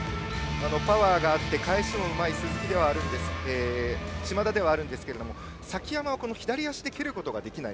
パワーがあって返しもうまい嶋田ではありますが崎山は左足で蹴ることができない。